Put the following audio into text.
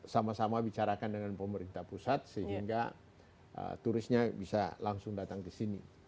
sama sama bicarakan dengan pemerintah pusat sehingga turisnya bisa langsung datang ke sini